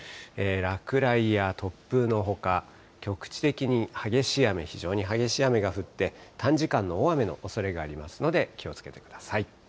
落雷や突風のほか、局地的に激しい雨、非常に激しい雨が降って、短時間の大雨のおそれがありますので、気をつけてください。